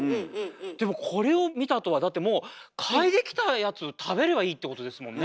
でもこれを見たあとはだってもう嗅いできたやつ食べればいいってことですもんね？